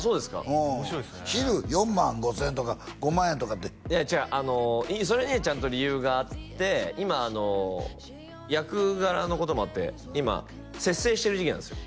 うん昼４万５０００円とか５万円とかっていや違うそれにはちゃんと理由があって今役柄のこともあって今節制してる時期なんですよ